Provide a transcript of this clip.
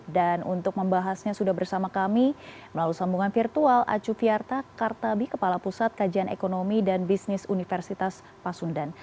dan untuk membahasnya sudah bersama kami melalui sambungan virtual acu viarta kartabi kepala pusat kajian ekonomi dan bisnis universitas pasundan